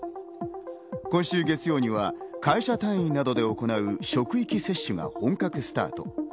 今週月曜には会社単位などで行う職域接種が本格スタート。